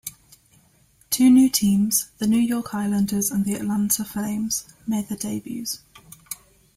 Two new teams, the New York Islanders and the Atlanta Flames, made their debuts.